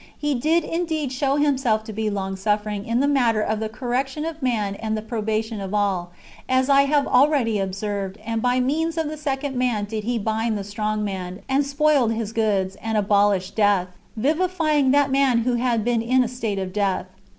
He did ijideed show Himself to be long suffering in the matter of the correction of man and the probation of all, as I have already observed ; and by means of the second man did He bind the strong man, and spoiled his goods/ and abolished death, vivifying that man who had been in a state of death.